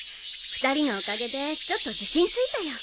２人のおかげでちょっと自信ついたよ。